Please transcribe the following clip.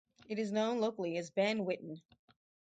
It is known locally as "Ben Whitton".